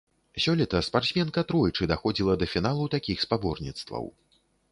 Сёлета спартсменка тройчы даходзіла да фіналу такіх спаборніцтваў.